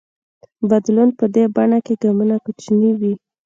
بدلون په دې بڼه کې ګامونه کوچني وي.